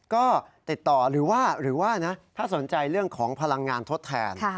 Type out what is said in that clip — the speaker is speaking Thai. ก็ติดต่อหรือว่าหรือว่านะถ้าสนใจเรื่องของพลังงานทดแทน